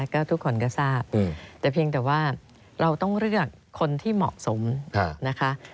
ก็ทุกคนก็ทราบแต่เพียงแต่ว่าเราต้องเลือกคนที่เหมาะสมนะคะ